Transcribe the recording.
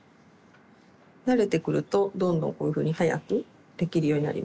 慣れてくるとどんどんこういうふうに早くできるようになります。